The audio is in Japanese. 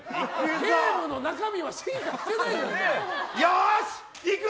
ゲームの中身は進化してないじゃない！